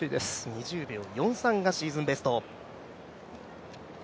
２０秒４３がシーズンベスト。